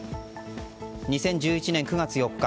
２０１１年９月４日